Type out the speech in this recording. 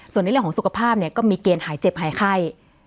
ส่วนในเรื่องของสุขภาพเนี่ยก็มีเกณฑ์หายเจ็บหายไข้